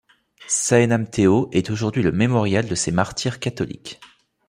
Saenamteo est aujourd'hui le mémorial de ces martyrs catholiques.